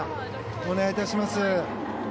お願い致します。